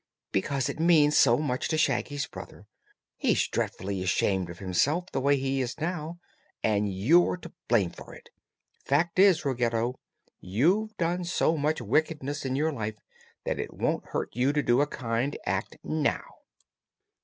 "Because it means so much to Shaggy's brother. He's dreadfully ashamed of himself, the way he is now, and you're to blame for it. Fact is, Ruggedo, you've done so much wickedness in your life that it won't hurt you to do a kind act now."